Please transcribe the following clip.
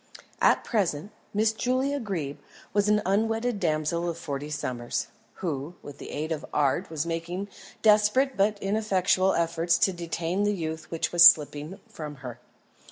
At present, Miss Julia Greeb was an unwedded damsel of forty summers, who, with the aid of art, was making desperate but ineffectual efforts to detain the youth which was slipping from her.